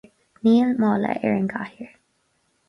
Níl mála ar an gcathaoir